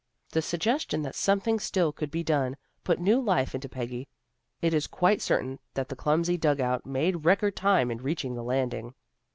The suggestion that something still could be done, put new life into Peggy. It is quite certain that the clumsy dug out made record AN EVENTFUL PICNIC 331 time in reaching the landing.